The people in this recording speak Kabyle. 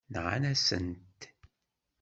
Nɣant-asen-t.